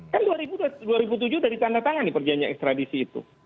kan dua ribu tujuh udah ditandatangani perjanjian extradisi itu